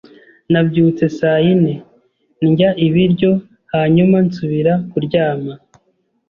Nabyutse saa yine, ndya ibiryo, hanyuma nsubira kuryama.